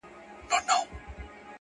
چي واکداران مو د سرونو په زاريو نه سي!!